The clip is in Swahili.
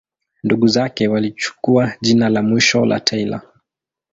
Ndugu zake walichukua jina la mwisho la Taylor.